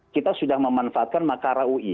kita sudah memanfaatkan makara ui